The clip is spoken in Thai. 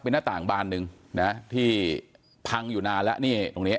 เป็นหน้าต่างบานหนึ่งนะที่พังอยู่นานแล้วนี่ตรงนี้